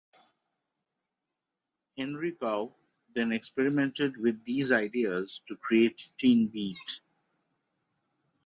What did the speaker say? Henry Cow then experimented with these ideas to create "Teenbeat".